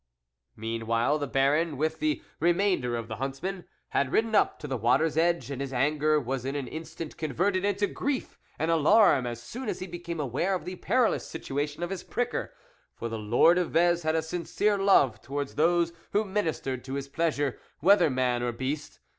Meanwhile, the Baron, with the remain der of the huntsmen, had ridden up to the water's edge, and his anger was in an instant converted into grief and alarm as soon as he became aware of the perilous situation of his pricker; for the Lord of Vez had a sincere love towards those who ministered to his pleasure, whether man or beast.